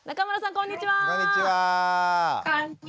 こんにちは！